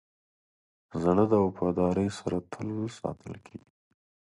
زړه د وفادارۍ سره تل ساتل کېږي.